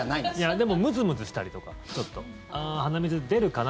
でも、ムズムズしたりとかちょっと鼻水出るかな？